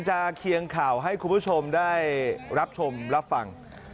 เคียงข่าวให้คุณผู้ชมได้รับชมรับฟัง